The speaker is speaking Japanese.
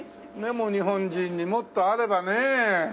もう日本人にもっとあればね。